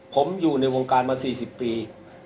ผมอยู่ในวงการมา๔๐ปี